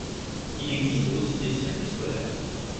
Il existe aussi des circuits scolaires.